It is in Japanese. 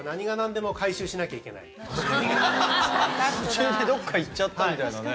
途中でどっか行っちゃったみたいなね。